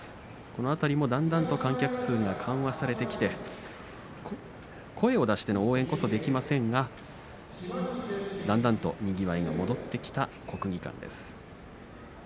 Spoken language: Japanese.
この辺りもだんだんと観客数が緩和されてきて声を出しての応援こそできませんがだんだんとにぎわいが戻ってきた国技館です。